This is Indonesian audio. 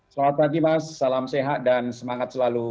selamat pagi mas salam sehat dan semangat selalu